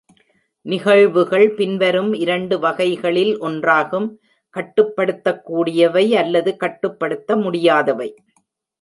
நிகழ்வுகள் பின்வரும் இரண்டு வகைகளில் ஒன்றாகும், கட்டுப்படுத்தக்கூடியவை அல்லது கட்டுப்படுத்த முடியாதவை.